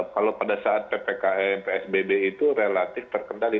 kalau pada saat ppkm psbb itu relatif terkendali